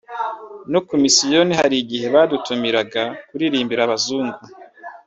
no ku misiyoni hari igihe badutumiraga kuririmbira abazungu…”